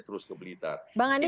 terus ke belitar